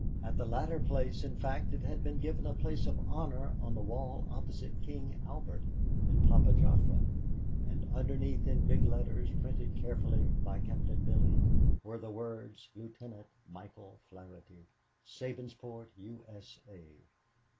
At the latter place, in fact, it had been given a place of honor on the wall opposite King Albert and Papa Joffre, and underneath in big letters, printed carefully by Captain Billy, were the words, "Lieut. Michael Flaherty, Sabinsport, U.S.A."